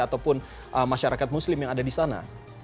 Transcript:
ataupun masyarakat muslim yang ada disana